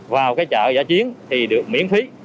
vào cái chợ giả chiến thì được miễn phí